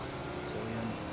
そういうの。